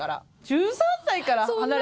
１３歳から離れて。